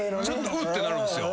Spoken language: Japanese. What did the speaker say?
「ウッ」ってなるんですよ。